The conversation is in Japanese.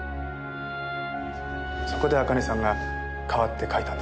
そこで茜さんが代わって書いたんです。